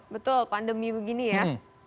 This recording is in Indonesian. betul pandemi begini ya